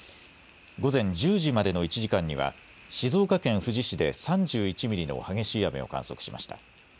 午前１０時までの１時間には静岡県富士市で３１ミリの激しい雨を観測しました。